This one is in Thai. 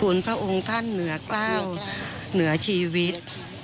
คุณพระองค์ท่านเหนือกล้าวเหนือชีวิต